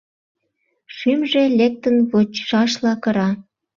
Шӱмжӧ лектын вочшашла кыра.